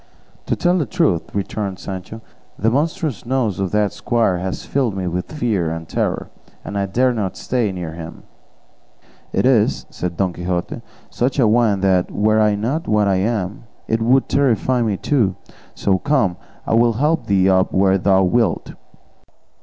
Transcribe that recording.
"To tell the truth," returned Sancho, "the monstrous nose of that squire has filled me with fear and terror, and I dare not stay near him." "It is," said Don Quixote, "such a one that were I not what I am it would terrify me too; so, come, I will help thee up where thou wilt."